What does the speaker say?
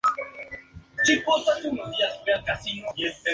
Creó el departamento de neurofisiología del Royal North Shore Hospital, en Sídney.